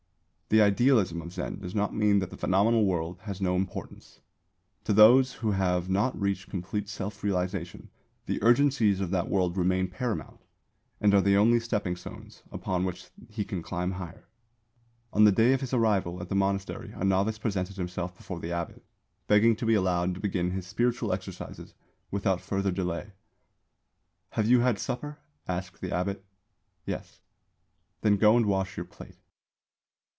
The idealism of Zen does not mean that the phenomenal world has no importance. To those who have not reached complete self realisation the urgencies of that world remain paramount and are the only stepping stones upon which he can climb higher. On the day of his arrival at the monastery a novice presented himself before the abbot, begging to be allowed to begin his spiritual exercises without further delay. "Have you had supper?" asked the abbot. "Yes." "Then go and wash your plate."